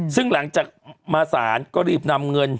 ซึ่งหลังจากมาสารก็รีบนำเงิน